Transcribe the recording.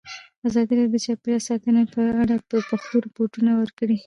ازادي راډیو د چاپیریال ساتنه په اړه د پېښو رپوټونه ورکړي.